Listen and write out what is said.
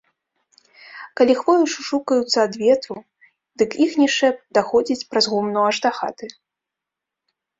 Калі хвоі шушукаюцца ад ветру, дык іхні шэпт даходзіць праз гумно аж да хаты.